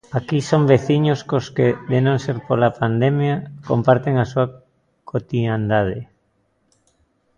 Aquí son veciños cos que, de non ser pola pandemia, comparten a súa cotiandade.